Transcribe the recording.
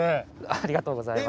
ありがとうございます。